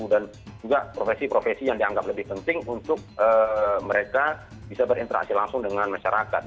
dan juga profesi profesi yang dianggap lebih penting untuk mereka bisa berinteraksi langsung dengan masyarakat